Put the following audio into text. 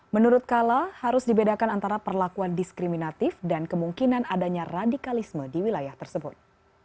menurut kala harus dibedakan antara perlakuan diskriminatif dan kemungkinan adanya radikalisme di wilayah tersebut